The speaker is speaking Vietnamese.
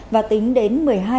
và tính đến một mươi hai ca